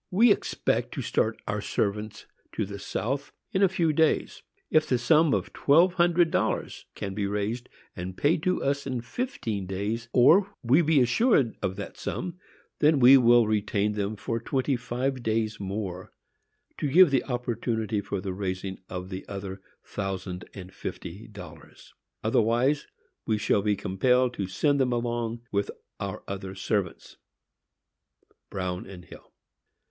We expect to start our servants to the south in a few days; if the sum of twelve hundred ($1200) dollars be raised and paid to us in fifteen days, or we be assured of that sum, then we will retain them for twenty five days more, to give an opportunity for the raising of the other thousand and fifty ($1050) dollars; otherwise we shall be compelled to send them along with our other servants. BRUIN & HILL.